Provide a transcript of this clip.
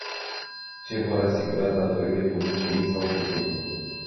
Ce vor asigura datoriile publice mici sau puține?